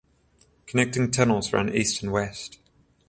Connecting tunnels ran east and west.